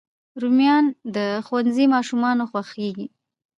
رومیان د ښوونځي ماشومانو خوښېږي